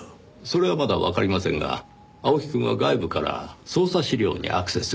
それはまだわかりませんが青木くんは外部から捜査資料にアクセスしています。